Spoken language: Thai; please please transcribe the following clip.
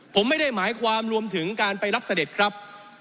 ผมไม่ได้หมายความรวมถึงการไปรับเสด็จครับ